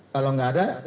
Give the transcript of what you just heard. kalau nggak ada